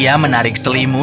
dan ada efek yang terjadi